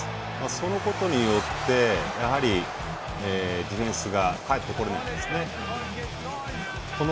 そのことによってディフェンスが帰ってこれないんですね。